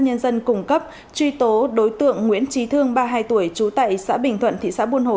nhân dân cung cấp truy tố đối tượng nguyễn trí thương ba mươi hai tuổi trú tại xã bình thuận thị xã buôn hồ